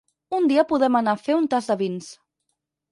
Un dia podem anar a fer un tast de vins.